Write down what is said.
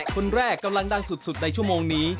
คนแรกกำลังดังสุดในชั่วโมงนี้